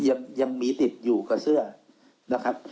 ยังมีติดอยู่กับเสื้อนะครับ